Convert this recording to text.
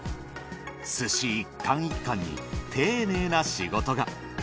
寿司１貫１貫に丁寧な仕事が。